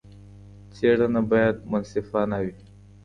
څېړنه بايد منصفانه وي.